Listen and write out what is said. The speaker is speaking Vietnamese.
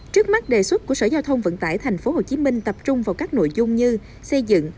trước mắt đề xuất của sở giao thông vận tải tp hcm tập trung vào các nội dung như xây dựng